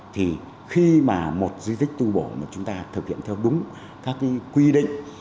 thì khi mà một di tích tu bổ mà chúng ta thực hiện theo đúng các quy định